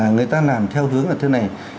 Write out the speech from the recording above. người ta làm theo hướng là thế này